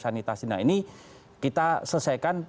nah ini kita selesaikan